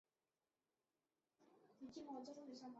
盾蕨为水龙骨科盾蕨属下的一个种。